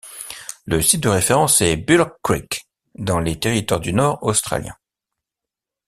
Le site de référence est Bullock Creek dans les Territoires du Nord australiens.